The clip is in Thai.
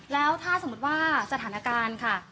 แล้วถ้าสมมุติว่าสถานการณ์ค่ะ